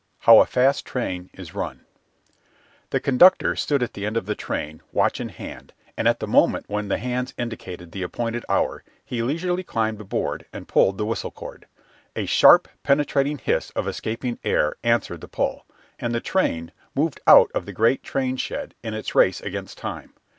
HOW A FAST TRAIN IS RUN The conductor stood at the end of the train, watch in hand, and at the moment when the hands indicated the appointed hour he leisurely climbed aboard and pulled the whistle cord. A sharp, penetrating hiss of escaping air answered the pull, and the train moved out of the great train shed in its race against time.